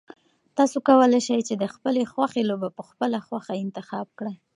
تاسو کولای شئ چې د خپلې خوښې لوبه په خپله خوښه انتخاب کړئ.